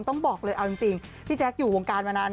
ต้องบอกเลยเอาจริงพี่แจ๊คอยู่วงการมานาน